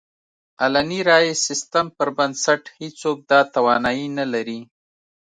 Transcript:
علني رایې سیستم پر بنسټ هېڅوک دا توانایي نه لري.